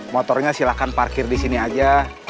motornya silahkan parkir disini aja